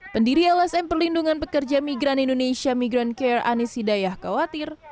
pendiri lsm perlindungan pekerja migran indonesia migran care anies hidayah khawatir